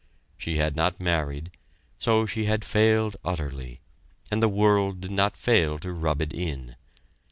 She had not married, so she had failed utterly, and the world did not fail to rub it in.